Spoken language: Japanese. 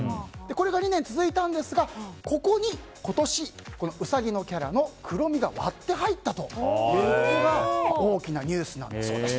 これが２年続いたんですがここに今年ウサギのキャラのクロミが割って入ったということが大きなニュースなんだそうです。